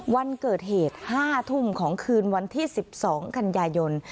วันเกิดเหตุ๕ทุ่มของคืนวันที่๑๒กันยายน